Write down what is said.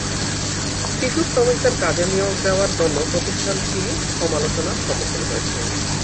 শিশু শ্রমিকদের কাজে নিয়োগ দেওয়ার জন্য প্রতিষ্ঠানটি সমালোচনার সম্মুখীন হয়েছে।